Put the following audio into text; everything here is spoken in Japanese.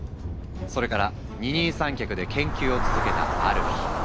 それから二人三脚で研究を続けたある日。